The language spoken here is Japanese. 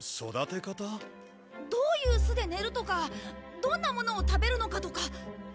どういう巣で寝るとかどんなものを食べるのかとか。